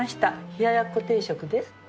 「冷や奴定食」です。